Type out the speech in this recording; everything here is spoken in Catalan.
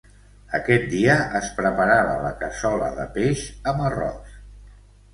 Aquest dia es preparava la cassola de peix amb arròs.